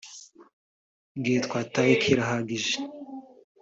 igihe twataye kirahagije